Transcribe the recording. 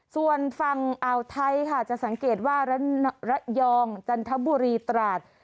ส่วนฝั่งอ่าวไทยค่ะจะสังเกตว่าระยองจันทบุรีตราด